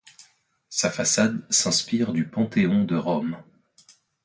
Sa façade s'inspire du Panthéon de Rome.